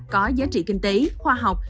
có giá trị kinh tế khoa học